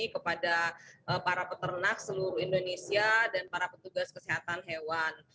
kepada para peternak seluruh indonesia dan para petugas kesehatan hewan